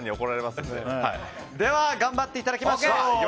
では頑張っていただきましょう。